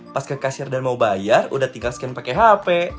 pas kekasir dan mau bayar udah tinggal scan pake hp